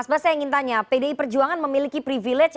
pdi perjuangan memiliki privilege bisa mencalonkan calon wakil presiden